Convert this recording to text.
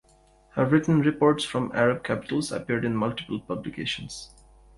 Her written reports from Arab capitals appeared in multiple publications.